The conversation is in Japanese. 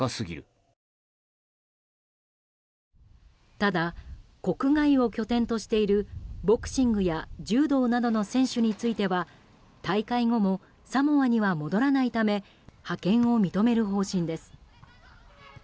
ただ、国外を拠点としているボクシングや柔道などの選手については大会後もサモアには戻らないため派遣を認める方針です。